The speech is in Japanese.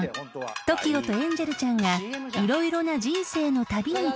［ＴＯＫＩＯとエンジェルちゃんが色々な人生の旅に出掛けます］